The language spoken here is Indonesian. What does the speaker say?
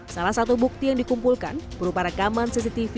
salah satu bukti yang dikumpulkan berupa rekaman cctv